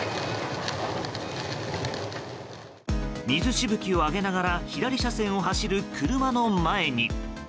水しぶきをあげながら左車線を走る車の前に。